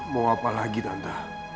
mau apa lagi tante